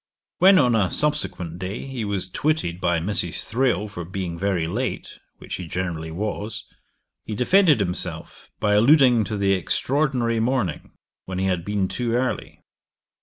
When, on a subsequent day, he was twitted by Mrs. Thrale for being very late, which he generally was, he defended himself by alluding to the extraordinary morning, when he had been too early.